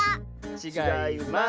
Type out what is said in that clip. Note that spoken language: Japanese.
ちがいます。